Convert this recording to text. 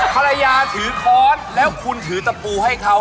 ภรรยาถือค้อนแล้วคุณถือตะปูให้เขา